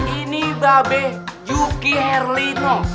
ini babe juki herlina